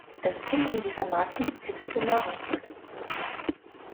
Es geht um die Vermarktungskette für Nahrungsmittel.